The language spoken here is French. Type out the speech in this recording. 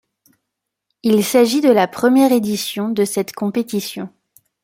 Il s'agit de la première édition de cette compétition.